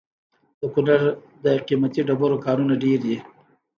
د کونړ د قیمتي ډبرو کانونه ډیر دي.